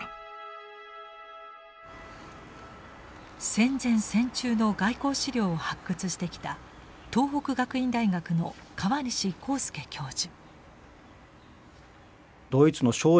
戦前戦中の外交史料を発掘してきた東北学院大学の河西晃祐教授。